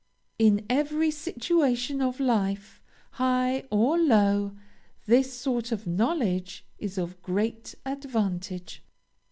In every situation of life, high or low, this sort of knowledge is of great advantage.